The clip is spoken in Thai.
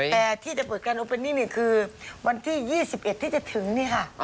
แต่ที่จะเปิดการโอเป็นนี่คือวันที่๒๑ที่จะถึงนี่ค่ะ